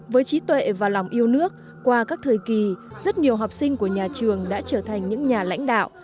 với trí tuệ và lòng yêu nước qua các thời kỳ rất nhiều học sinh của nhà trường đã trở thành những nhà lãnh đạo